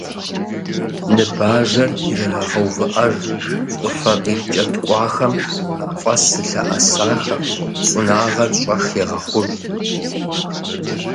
Ныбажэр ирырагъэувыӏэж, щӏыфэ къиткӏэткӏуахэм, мафӏэс зылъэӏэсахэм цӏынагъэр щӏэх егъэхъуж.